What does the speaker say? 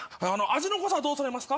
味の濃さどうされますか？